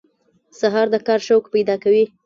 سهار د کار شوق پیدا کوي.